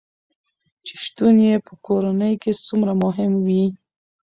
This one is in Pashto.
چې شتون يې په کورنے کې څومره مهم وي